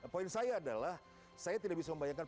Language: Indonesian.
poin saya adalah saya tidak bisa membayangkan